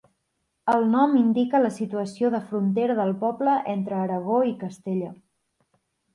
El nom indica la situació de frontera del poble entre Aragó i Castella.